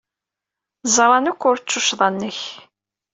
Ẓran akk ur d tuccḍa-nnek.